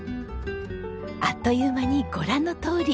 あっという間にご覧のとおり。